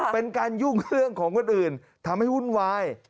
เป็นการยุ่งเรื่องของคนอื่นทำให้วุ่นวาย